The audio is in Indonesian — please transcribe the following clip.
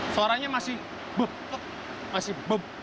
suaranya masih bep bep masih bep